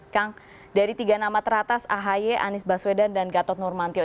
kang dari tiga nama teratas ahy anies baswedan dan gatot nurmantio